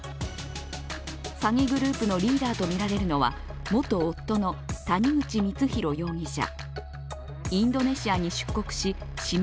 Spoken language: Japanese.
詐欺グループのリーダーとみられるのは元夫の谷口光弘容疑者。